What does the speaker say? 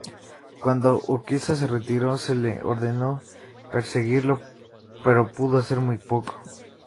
Cuando Urquiza se retiró, se le ordenó perseguirlo, pero pudo hacer muy poco.